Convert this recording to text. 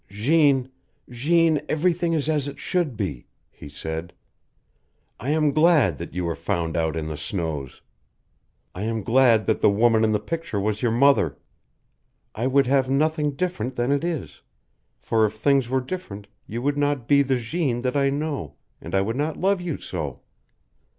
"Jeanne Jeanne everything is as it should be," he said. "I am glad that you were found out in the snows. I am glad that the woman in the picture was your mother. I would have nothing different than it is, for if things were different you would not be the Jeanne that I know, and I would not love you so.